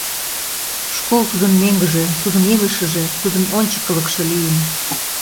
Школ тудын мӧҥгыжӧ, тудын илышыже, тудын ончыкылыкшо лийын.